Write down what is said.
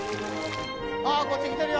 あっこっち来てるよ。